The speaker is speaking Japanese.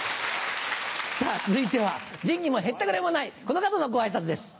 続いては仁義もへったくれもないこの方のご挨拶です。